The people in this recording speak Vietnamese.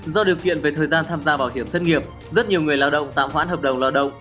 do điều kiện về thời gian tham gia bảo hiểm thất nghiệp rất nhiều người lao động tạm hoãn hợp đồng lao động